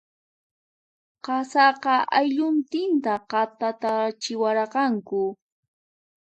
Qasaqa, aylluntinta khatatatachiwaranku.